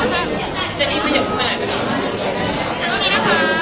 ที่เจนนี่ของกล้องนี้นะคะ